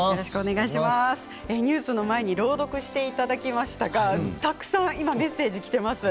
ニュースの前に朗読していただきましたがたくさんメッセージきています。